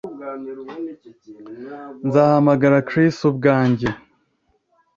Nzahamagara Chris ubwanjye